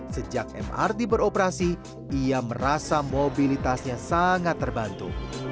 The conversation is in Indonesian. sejak mrt beroperasi ia merasa mobilitasnya sangat terbantu